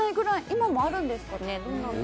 今もあるんですかね。